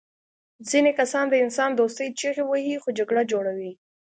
ځینې کسان د انسان دوستۍ چیغې وهي خو جګړه جوړوي